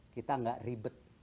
kita gak ribet